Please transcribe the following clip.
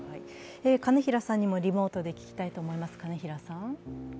金平さんにもリモートで聞きたいと思います。